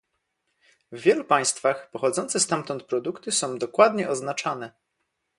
W wielu państwach pochodzące stamtąd produkty są dokładnie oznaczane